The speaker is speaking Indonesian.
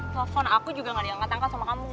telepon aku juga gak diangkat angkat sama kamu